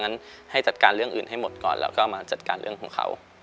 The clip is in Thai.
งั้นให้จัดการเรื่องอื่นให้หมดก่อนแล้วก็มาจัดการเรื่องของเขา